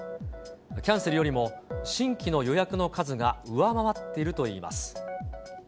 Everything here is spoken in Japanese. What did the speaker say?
キャンセルよりも新規の予約の数が上回っているといいます。